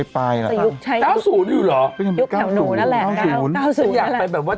ฮ่าอืมแต่งง